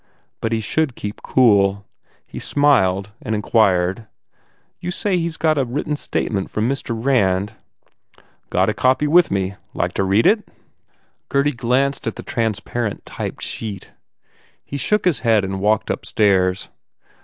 But he should keep cool. He smiled and inquired, "You say you ve got a written statement from Mr. Rand" "Got a copy with me. Like to read it?" Gurdy glanced at the transparent typed sheet. He shook his head and walked up stairs.